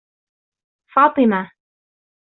فاطمة